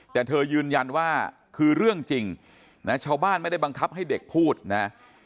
แต่เธอยืนยันว่าคือเรื่องจริงนะชาวบ้านไม่ได้บังคับให้เด็กพูดนะ